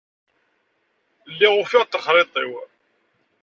Lliɣ ufiɣ-d taxṛiṭ-iw.